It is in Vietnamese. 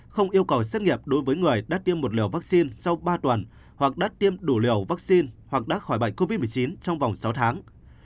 không yêu cầu xét nghiệm đối với người đã tiêm một liều vaccine sau ba tuần hoặc đã tiêm đủ liều vaccine hoặc đã khỏi bệnh covid một mươi chín trong vòng sáu tháng